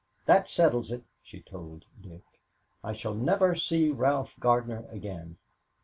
"That settles it," she told Dick. "I shall never see Ralph Gardner again.